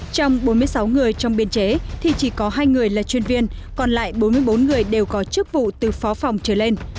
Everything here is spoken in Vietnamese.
trong bốn mươi sáu người trong biên chế thì chỉ có hai người là chuyên viên còn lại bốn mươi bốn người đều có chức vụ từ phó phòng trở lên